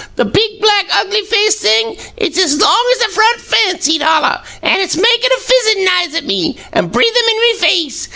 'The big, black, ugly faced thing; it's as long as the front fence!' he'd holler, 'an' it's makin' a fizzin' n'ise at me, an' breathin' in me face!'